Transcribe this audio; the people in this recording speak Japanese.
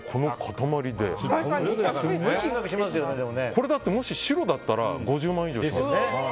これだってもし白だったら５０万以上しますよ。